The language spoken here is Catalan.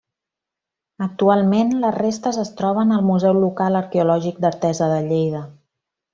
Actualment, les restes es troben al Museu Local Arqueològic d'Artesa de Lleida.